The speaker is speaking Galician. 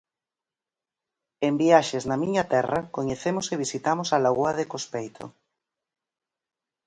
En Viaxes na Miña Terra coñecemos e visitamos a Lagoa de Cospeito.